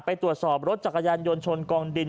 ไปตรวจสอบรถจักรยานยนต์ชนกองดิน